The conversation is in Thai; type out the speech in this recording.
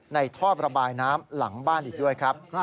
ท่อระบายน้ำหลังบ้านอีกด้วยครับ